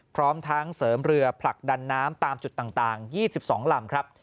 พร้อมทั้งเสริมเรือผลักดันน้ำตามจุดต่าง๒๒ลำครับ